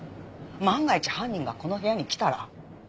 万が一犯人がこの部屋に来たら。